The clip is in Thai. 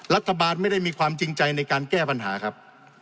รัฐบาลไม่ได้มีความจริงใจในการแก้ปัญหาครับ